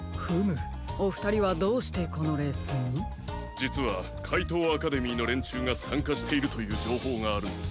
じつはかいとうアカデミーのれんちゅうがさんかしているというじょうほうがあるんです。